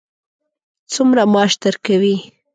څومره معاش درکوي.